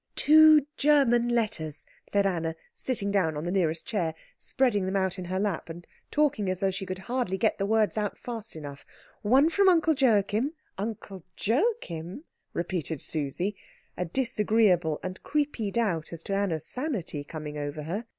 "Two German letters," said Anna, sitting down on the nearest chair, spreading them out on her lap, and talking as though she could hardly get the words out fast enough, "one from Uncle Joachim " "Uncle Joachim?" repeated Susie, a disagreeable and creepy doubt as to Anna's sanity coming over her.